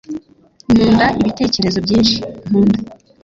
nkunda ibitekerezo byinshi nkunda.